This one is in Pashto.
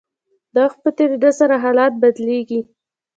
د وخت په تیریدو سره حالات بدلیږي.